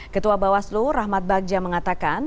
ketua bawaslu rahmat bagja mengatakan